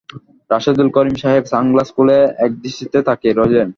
রাশেদুল করিম সাহেব সানগ্লাস খুলে একদৃষ্টিতে তাকিয়ে রইলেন।